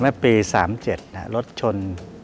เมื่อปี๓๗รถชน